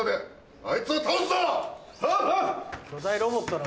・ああ！